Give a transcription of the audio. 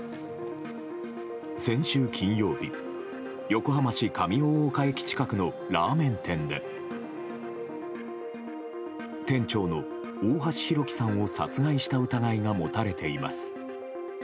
先週金曜日横浜市上大岡駅近くのラーメン店で店長の大橋弘輝さんを殺害した疑いが持たれています。